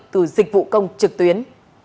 từ dịch vụ công trực tuyến